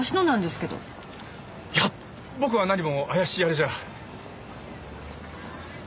いや僕は何も怪しいあれじゃ。